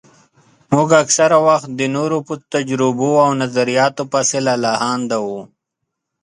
موږ اکثره وخت د نورو په تجربو او نظرياتو پسې لالهانده وو.